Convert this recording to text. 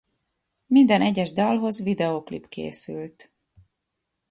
Minden egyes dalhoz videóklip készült.